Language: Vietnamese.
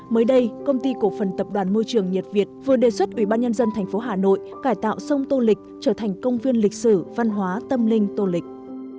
mới đây công ty cổ phần tập đoàn môi trường nhật việt vừa đề xuất ủy ban nhân dân thành phố hà nội cải tạo sông tô lịch trở thành công viên lịch sử văn hóa tâm linh tô lịch